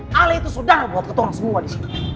kalian itu sudah buat kata orang semua di sini